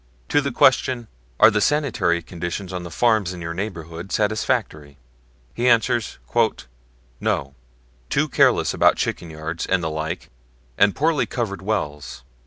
To the question, "Are the sanitary conditions on the farms in your neighborhood satisfactory?" he answers: "No; too careless about chicken yards, and the like, and poorly covered wells.